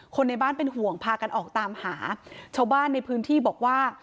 ในบ้านเป็นห่วงพากันออกตามหาชาวบ้านในพื้นที่บอกว่า